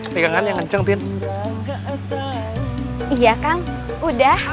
pegangannya kenceng tin iya kang udah